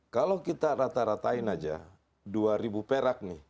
kalau kita rata ratain saja rp dua perak nih